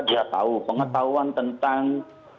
dia tahu pengetahuan tentang